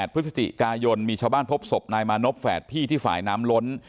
พฤศจิกายนมีชาวบ้านพบศพนายมานพแฝดพี่ที่ฝ่ายน้ำล้น